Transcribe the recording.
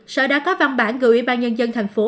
sở đã có văn bản gửi ủy ban nhân dân thành phố